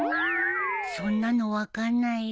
そんなの分かんないよ。